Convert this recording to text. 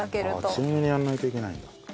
強めにやらないといけないんだ。